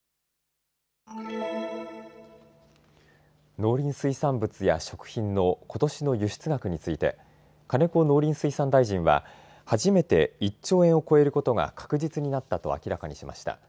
農林水産物や食品のことしの輸出額について金子農林水産大臣は初めて１兆円を超えることが確実になったと明らかにしました。